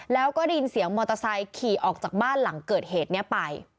แล้วก็ได้ยินเสียงมอเตอร์ไซค์ขี่ออกจากบ้านหลังเกิดเหตุนี้ไป